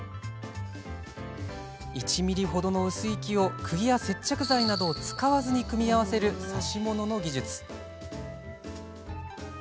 １ｍｍほどの薄い木をくぎや接着剤などを使わずに組み合わせる指物の技術。